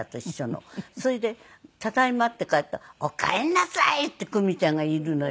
それで「ただいま」って帰ったら「おかえりなさい」ってクミちゃんがいるのよ